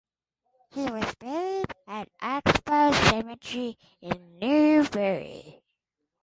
He was buried at Oxbow Cemetery in Newbury.